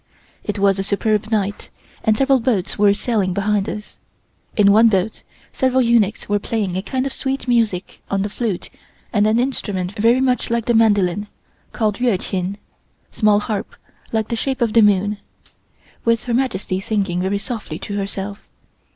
It was a superb night, and several boats were sailing behind us. In one boat several eunuchs were playing a kind of sweet music on the flute and an instrument very much like the mandolin, called Yeuh Chin (small harp, like the shape of the moon), with Her Majesty singing very softly to herself.